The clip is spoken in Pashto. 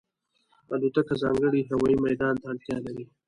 الوتکه ځانګړی هوايي میدان ته اړتیا لري.